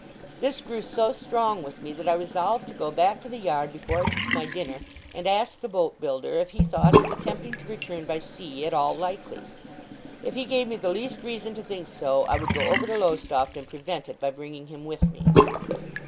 This grew so strong with me, that I resolved to go back to the yard before I took my dinner, and ask the boat builder if he thought his attempting to return by sea at all likely? If he gave me the least reason to think so, I would go over to Lowestoft and prevent it by bringing him with me.